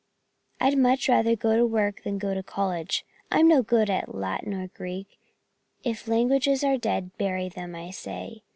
I'd much rather go to work than go to college. I'm no good at Latin or Greek. If languages are dead, bury them, I say.